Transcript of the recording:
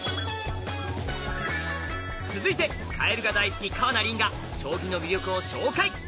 続いてカエルが大好き川名凜が将棋の魅力を紹介！